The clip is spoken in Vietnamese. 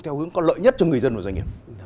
theo hướng có lợi nhất cho người dân và doanh nghiệp